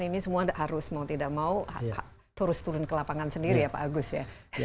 ini semua harus mau tidak mau terus turun ke lapangan sendiri ya pak agus ya